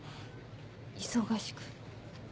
忙しく。